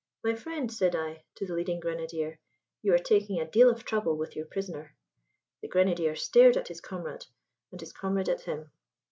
"My friend," said I to the leading grenadier, "you are taking a deal of trouble with your prisoner." The grenadier stared at his comrade, and his comrade at him.